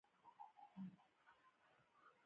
په فېسبوک کې خلک له خپل ژوند حال شریکوي.